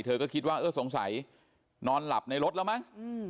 เธอก็คิดว่าเออสงสัยนอนหลับในรถแล้วมั้ง